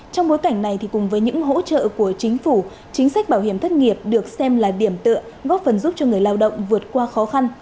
trong bối cảnh này cùng với những hỗ trợ của chính phủ chính sách bảo hiểm thất nghiệp được xem là điểm tựa góp phần giúp cho người lao động vượt qua khó khăn